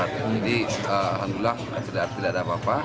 jadi alhamdulillah tidak ada apa apa